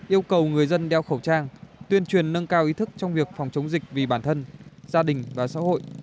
yêu cầu người dân đeo khẩu trang tuyên truyền nâng cao ý thức trong việc phòng chống dịch vì bản thân gia đình và xã hội